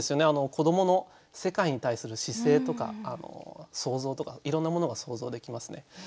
子どもの世界に対する姿勢とか想像とかいろんなものが想像できますね。